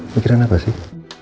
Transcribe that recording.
pikiran apa sih